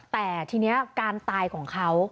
แต่ทีนี้การตายของเขา